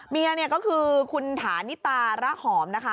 เมียเนี่ยก็คือคุณฐานิตาระหอมนะคะ